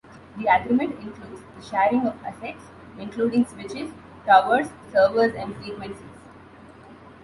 The agreement includes the sharing of assets including switches, towers, servers, and frequencies.